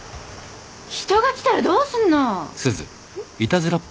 人が来たらどうすんの！